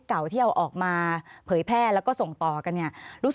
ขอบคุณครับ